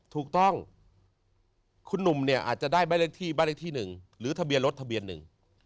ถูกต้องคุณหนุ่มเนี่ยอาจจะได้บ้านเลขที่บ้านเลขที่หนึ่งหรือทะเบียนรถทะเบียนหนึ่ง